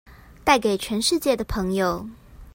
帶給全世界的朋友